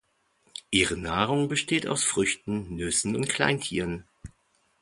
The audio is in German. Ihre Nahrung besteht aus Früchten, Nüssen und Kleintieren.